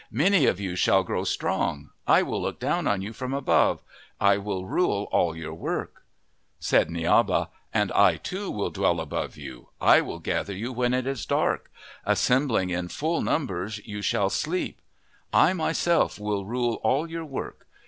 Many of you shall grow strong. I will look down on you from above. I will rule all your work." Said Niaba :" And I, too, will dwell above you. I will gather you when it is dark. Assembling in full numbers, you shall sleep. I myself will rule all your work.